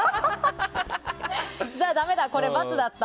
じゃあダメだ、これ×だった。